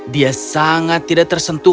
dia sangat tidak tersentuh